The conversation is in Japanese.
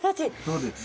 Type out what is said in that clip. そうです。